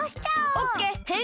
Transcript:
オッケー！